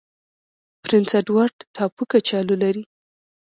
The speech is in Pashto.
پرنس اډوارډ ټاپو کچالو لري.